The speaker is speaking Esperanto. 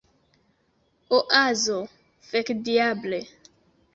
Oazo: "Fekdiable!"